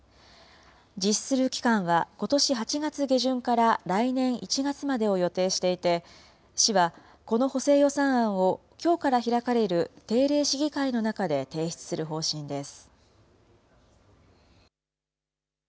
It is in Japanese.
実施する期間はことし８月下旬から来年１月までを予定していて、市は、この補正予算案をきょうから開かれる定例市議会の中で提出する方針です。